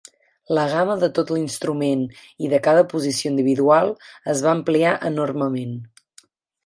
La gamma de tot l'instrument i de cada posició individual es va ampliar enormement.